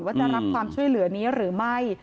ว่าจะรับความช่วยเหลือนี้หรือไม่